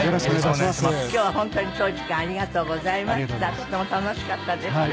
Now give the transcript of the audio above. とても楽しかったです。